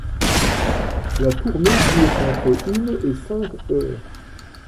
La tournée dure entre une et cinq heures.